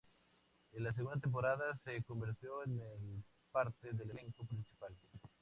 En la segunda temporada se convirtió en parte del elenco principal.